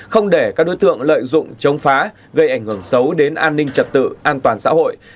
không để các đối tượng lợi dụng chống phá gây ảnh hưởng xấu đến an ninh trật tự an toàn xã hội